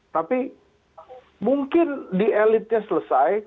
tapi mungkin di elitnya selesai